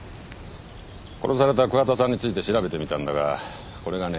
殺された桑田さんについて調べてみたんだがこれがね